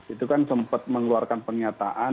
itu kan sempat mengeluarkan pernyataan